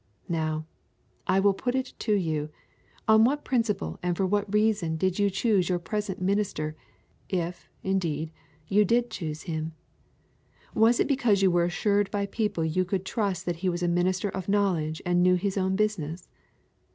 Now, I will put it to you, on what principle and for what reason did you choose your present minister, if, indeed, you did choose him? Was it because you were assured by people you could trust that he was a minister of knowledge and knew his own business?